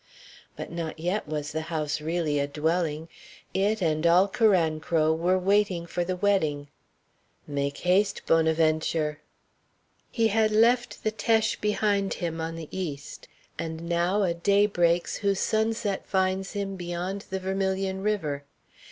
But not yet was the house really a dwelling; it, and all Carancro, were waiting for the wedding. Make haste, Bonaventure! He had left the Teche behind him on the east. And now a day breaks whose sunset finds him beyond the Vermilion River.